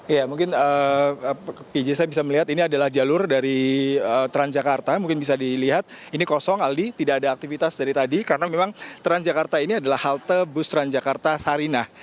ya mungkin pj saya bisa melihat ini adalah jalur dari transjakarta mungkin bisa dilihat ini kosong aldi tidak ada aktivitas dari tadi karena memang transjakarta ini adalah halte bus transjakarta sarinah